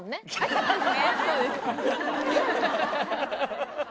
そうです。